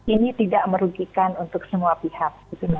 ini tidak merugikan untuk semua pihak